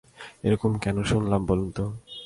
এই রকম কেন শুনলাম বলুন তো?